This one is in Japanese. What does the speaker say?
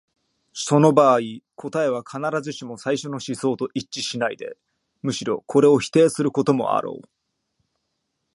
その場合、答えは必ずしも最初の思想と一致しないで、むしろこれを否定することもあろう。